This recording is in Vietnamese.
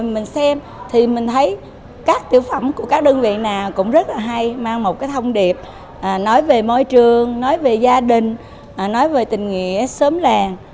mình xem thì mình thấy các tiểu phẩm của các đơn vị nào cũng rất là hay mang một thông điệp nói về môi trường nói về gia đình nói về tình nghĩa xóm làng